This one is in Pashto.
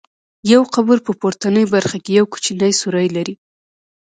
یو قبر په پورتنۍ برخه کې یو کوچنی سوری لري.